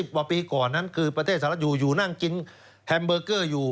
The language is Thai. ๓๐กว่าปีก่อนประเทศสหรัฐอยู่นั่งกินแฮมเบอร์เกอร์อยู่